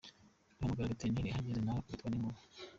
Duhamagara veterineri ahageze na we akubitwa n’inkuba.